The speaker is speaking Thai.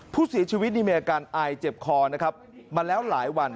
ผู้เสียชีวิตนี่มีอาการอายเจ็บคอนะครับมาแล้วหลายวัน